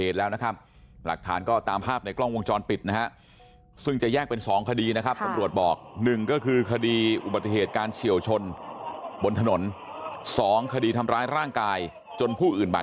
ถ้าได้ก็ดีครับ